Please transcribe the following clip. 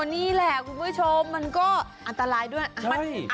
นี่แหละคุณผู้ชมมันก็อันตรายด้วย